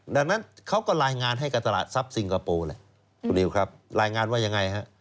ดังนั้นเขาก็รายงานให้กับตลาดทรัพย์สิงคโปร์แหละคุณนิวครับรายงานว่ายังไงฮะ